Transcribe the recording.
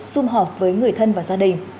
xung họp với người thân và gia đình